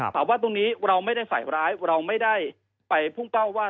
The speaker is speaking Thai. ตรงนี้เราไม่ได้ใส่ร้ายเราไม่ได้ไปพุ่งเป้าว่า